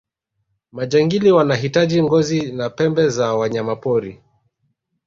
majangili wanahitaji ngozi na pembe za wanyamapori